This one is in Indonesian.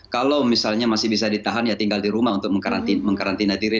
kalau misalnya masih bisa ditahan ya tinggal di rumah untuk mengkarantina diri